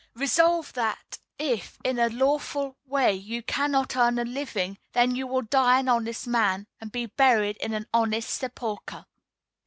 Resolve that if, in a lawful way, you cannot earn a living, then you will die an honest man, and be buried in an honest sepulchre.